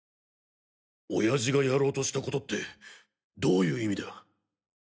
親父がやろうとしたコトってどういう意味だ？